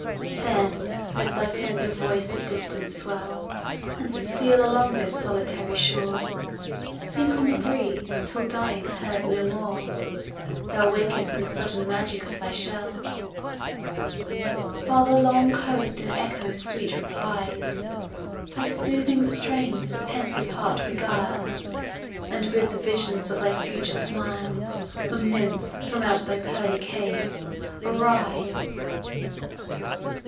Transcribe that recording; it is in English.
Then, let thy tender voice at distance swell, And steal along this solitary shore, Sink on the breeze, till dying—heard no more— Thou wak'st the sudden magic of thy shell. While the long coast in echo sweet replies, Thy soothing strains the pensive heart beguile, And bid the visions of the future smile, O nymph! from out thy pearly cave—arise!